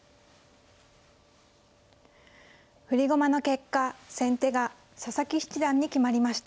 振り駒の結果先手が佐々木七段に決まりました。